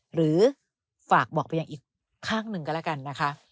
หรือฝากบอกไปยังอีกข้างหนึ่งก็แล้วกันนะคะ